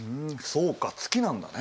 そうか月なんだね。